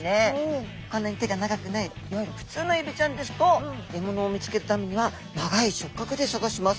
こんなに手が長くないいわゆる普通のエビちゃんですと獲物を見つけるためには長い触角で探します。